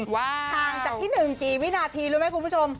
ห่างจากที่๑กี่วินาทีรู้ไหมคุณผู้ชม